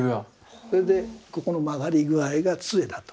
それでここの曲がり具合が杖だと。